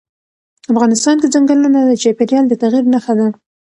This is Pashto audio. افغانستان کې ځنګلونه د چاپېریال د تغیر نښه ده.